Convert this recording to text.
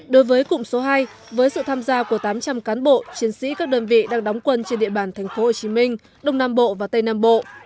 đối với cụm số hai với sự tham gia của tám trăm linh cán bộ chiến sĩ các đơn vị đang đóng quân trên địa bàn thành phố hồ chí minh đông nam bộ và tây nam bộ